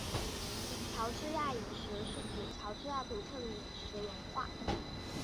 乔治亚饮食是指乔治亚独特的饮食文化。